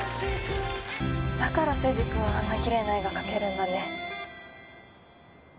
だから青磁君はあんなきれいな絵が描けるんだね。